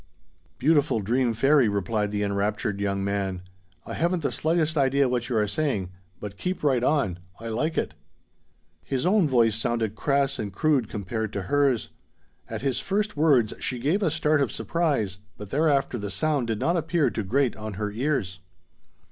"Beautiful dream fairy," replied the enraptured young man, "I haven't the slightest idea what you are saying, but keep right on. I like it." His own voice sounded crass and crude compared to hers. At his first words she gave a start of surprise, but thereafter the sound did not appear to grate on her ears.